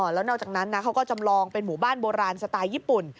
แล้วนอกจากนั้นนะเขาก็จำลองเป็นหมู่บ้านโบราณสไตล์ญี่ปุ่น